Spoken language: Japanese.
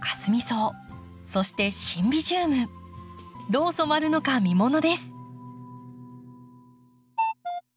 どう染まるのか見ものです。